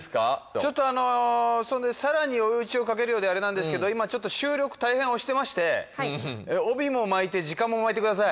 ちょっとあのそんでさらに追い打ちをかけるようであれなんですけど今ちょっと収録大変押してまして帯も巻いて時間も巻いてください